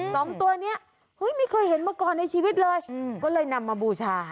สองตัวเนี้ยเฮ้ยไม่เคยเห็นมาก่อนในชีวิตเลยก็เลยนำมาบูชา